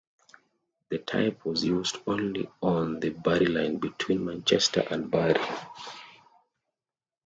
The type was used only on the Bury Line between Manchester and Bury.